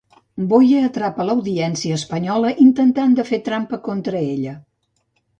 Boye atrapa l'Audiència espanyola intentant de fer trampa contra ella.